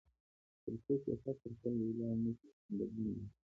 تر څو سیاست پر خلکو ولاړ نه شي، هیڅ بدلون نه راځي.